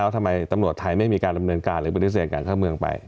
ทำไมตำรวจไทยไม่มีการดำเนินการหรือปฏิเสธการเข้าเมืองไป